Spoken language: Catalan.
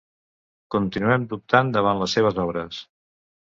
Continuem dubtant davant les seves obres.